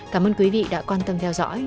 cảm ơn quý vị đã quan tâm theo dõi